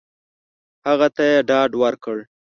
هغه ته یې ډاډ ورکړ !